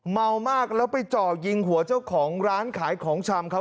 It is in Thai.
เมามากแล้วไปจ่อยิงหัวเจ้าของร้านขายของชำเขา